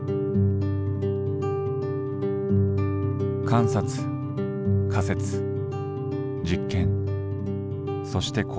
観察仮説実験そして考察。